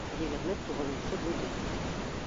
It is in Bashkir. Егерме туғыҙынсы бүлек